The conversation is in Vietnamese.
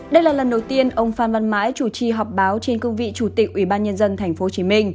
đây là lần đầu tiên ông phan văn mãi chủ trì họp báo trên cương vị chủ tịch ủy ban nhân dân tp hcm